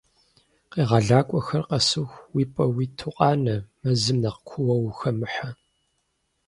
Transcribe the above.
Къегъэлакӏуэхэр къэсыху, уи пӏэ уиту къанэ, мэзым нэхъ куууэ ухэмыхьэ.